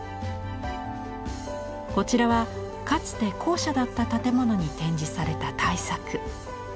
こちらはかつて校舎だった建物に展示された大作。